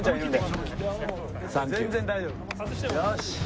よし！